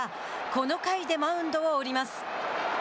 この回でマウンドを降ります。